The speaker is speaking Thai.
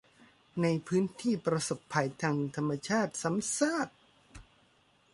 ในพื้นที่ประสบภัยทางธรรมชาติซ้ำซาก